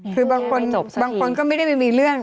คือบางคนก็ไม่ได้ไปมีเรื่อง